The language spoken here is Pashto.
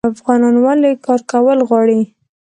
افغانان ولې کار کول غواړي؟